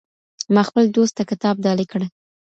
ما خپل دوست ته کتاب ډالۍ کړ.